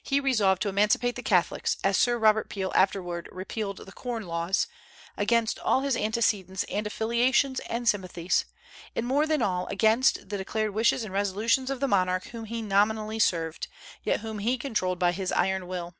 He resolved to emancipate the Catholics, as Sir Robert Peel afterward repealed the Corn Laws, against all his antecedents and affiliations and sympathies, and more than all against the declared wishes and resolutions of the monarch whom he nominally served, yet whom he controlled by his iron will.